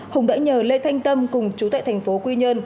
hùng đã nhờ lê thanh tâm cùng chú tại thành phố quy nhơn